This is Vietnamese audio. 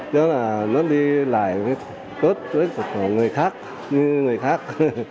để nó mổ mắt cho nó đi lại tốt với người khác